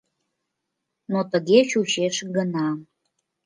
Но тыге чучеш гына.